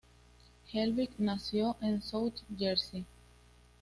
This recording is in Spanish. Helbig nació en South Jersey.